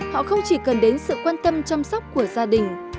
họ không chỉ cần đến sự quan tâm chăm sóc của gia đình